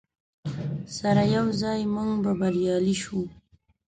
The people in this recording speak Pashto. سره یوځای موږ به بریالي شو.